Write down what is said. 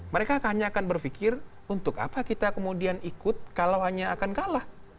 mereka hanya akan berpikir untuk apa kita kemudian ikut kalau hanya akan kalah